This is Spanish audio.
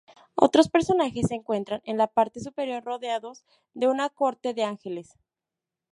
Otros personajes se encuentran en la parte superior rodeados de una corte de ángeles.